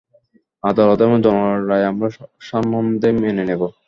আদালত এবং জনগণের রায় আমরা সানন্দে মেনে নেব।